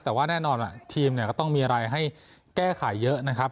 แต่ว่าแน่นอนว่าทีมเนี่ยก็ต้องมีอะไรให้แก้ไขเยอะนะครับ